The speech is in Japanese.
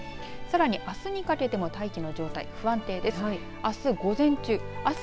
さらに、あすにかけても大気の状態、不安定です。